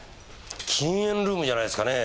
禁煙ルームじゃないですかね。